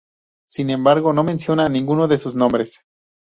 Sin embargo, no menciona ninguno de sus nombres.